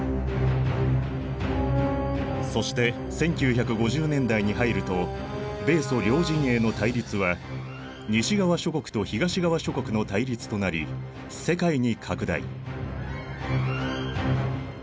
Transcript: そして１９５０年代に入ると米ソ両陣営の対立は西側諸国と東側諸国の対立となり世界に拡大。